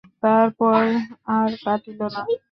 তার পর আর কাটিল না।